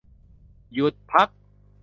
หยุดพัก